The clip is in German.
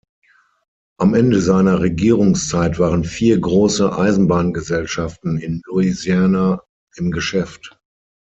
Am Ende seiner Regierungszeit waren vier große Eisenbahngesellschaften in Louisiana im Geschäft.